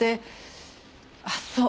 あっそう